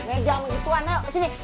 meja sama gituan ayo kesini